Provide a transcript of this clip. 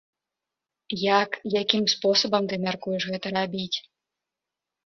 Як, якім спосабам ты мяркуеш гэта рабіць?